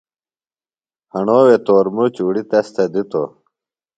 ہݨو وے تورمُچ اُڑیۡ تس تھےۡ دِتوۡ۔